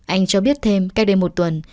anh cho biết thêm cách đây một tuần